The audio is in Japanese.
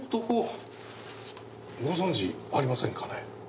この男ご存じありませんかね？